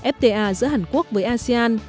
fta giữa hàn quốc với asean